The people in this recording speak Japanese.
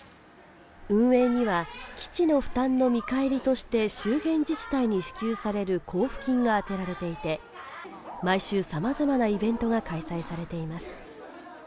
運営には基地の負担の見返りとして周辺自治体に支給される交付金が充てられていて毎週さまざまなイベントが開催されています